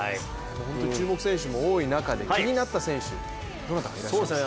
本当に注目選手も多い中で気になった選手、どなたかいらっしゃいます？